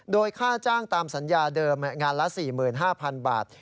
โดยค่าจ้างตามสัญญาเดิมงานละ๔๕๐๐๐บาท